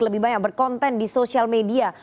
lebih banyak berkonten di sosial media